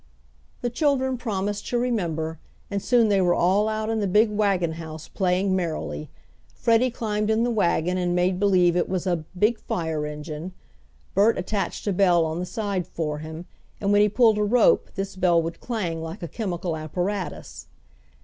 The children promised to remember, and soon they were all out in the big wagon house playing merrily. Freddie climbed in the wagon and made believe it was a "big fire engine." Bert attached a bell on the side for him, and when he pulled a rope this bell would clang like a chemical apparatus.